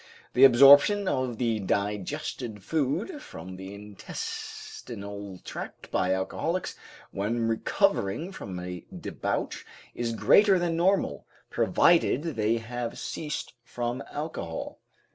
The absorption of the digested food from the intestinal tract by alcoholics when recovering from a debauch is greater than normal, provided they have ceased from their alcohol.